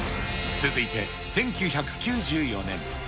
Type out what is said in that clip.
続いて１９９４年。